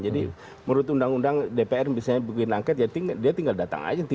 jadi menurut undang undang dpr misalnya bikin angket ya dia tinggal datang saja